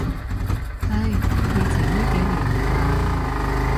唉，疫情依幾年，難。